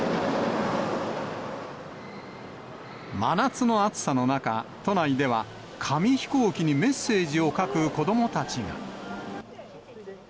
真夏の暑さの中、都内では紙飛行機にメッセージを書く子どもたちが。